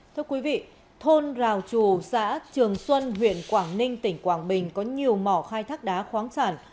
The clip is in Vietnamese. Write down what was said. thưa quý vị thôn rào trù xã trường xuân huyện quảng ninh tỉnh quảng bình có nhiều mỏ khai thác đá khoáng sản